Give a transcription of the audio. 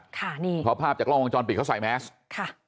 เพราะภาพจากล้องวงจรปิดเขาใส่แมสค์